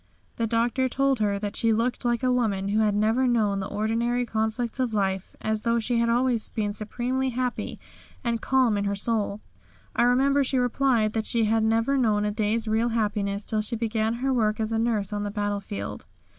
The Doctor told her that she looked like a woman who had never known the ordinary conflicts of life, as though she had always been supremely happy and calm in her soul. I remember she replied that she had never known a day's real happiness till she began her work as a nurse on the battlefield.